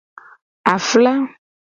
Afla.